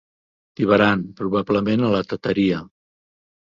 Tibaran, probablement a la teteria.